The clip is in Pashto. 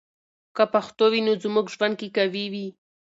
که پښتو وي، نو زموږ ژوند کې قوی وي.